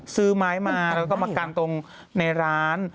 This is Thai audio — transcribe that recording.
ซื้อไม้มาแล้วก็มากันตรงในร้าน